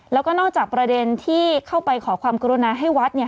แล้วก็นอกจากประเด็นที่เข้าไปขอความกรุณาให้วัดเนี่ย